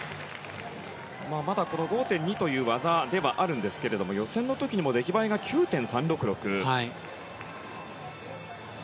５．２という技ではあるんですけれども予選の時にも出来栄えが９．３６６。